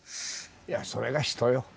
いやそれが人よ。